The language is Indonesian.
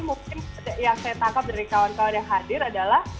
mungkin yang saya tangkap dari kawan kawan yang hadir adalah